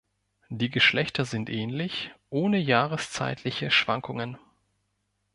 Die Geschlechter sind ähnlich, ohne jahreszeitliche Schwankungen.